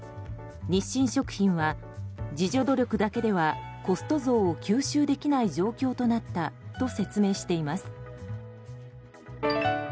日清食品は自助努力だけではコスト増を吸収できない状況となったと説明しています。